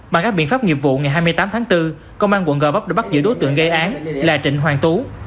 bằng các biện pháp nghiệp vụ ngày hai mươi tám tháng bốn công an quận gò vấp đã bắt giữ đối tượng gây án là trịnh hoàng tú